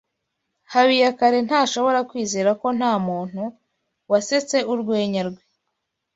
Habiyakare ntashobora kwizera ko ntamuntu wasetse urwenya rwe.